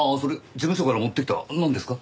事務所から持ってきたなんですか？